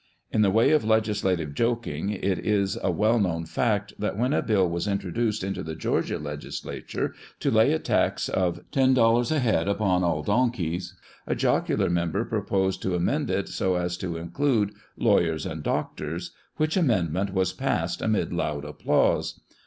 In the way of legislative joking, it is a well known fact that when a bill was introduced into the Georgia legislature to lay a tax of ten dollars a head upon all donkeys, a jocular member proposed to amend it so as to include "lawyers and doctors," which amendment was passed amid loud applause.